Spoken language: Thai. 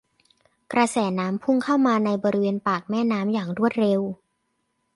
กระแสน้ำพุ่งเข้ามาในบริเวณปากแม่น้ำอย่างรวดเร็ว